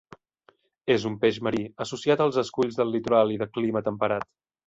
És un peix marí, associat als esculls del litoral i de clima temperat.